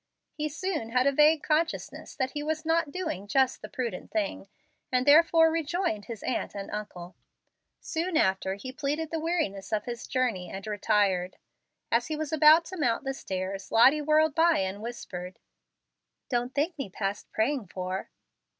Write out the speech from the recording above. He soon had a vague consciousness that he was not doing just the prudent thing, and therefore rejoined his aunt and uncle. Soon after he pleaded the weariness of his journey and retired. As he was about to mount the stairs Lottie whirled by and whispered, "Don't think me past praying for."